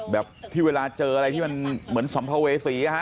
แบบที่เวลาเจออะไรที่มันเหมือนสมเผาเหสีค่ะ